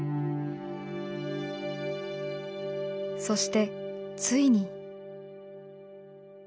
そしてついに。